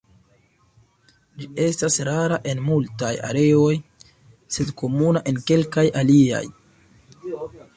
Ĝi estas rara en multaj areoj, sed komuna en kelkaj aliaj.